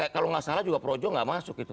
kalau tidak salah juga projo tidak masuk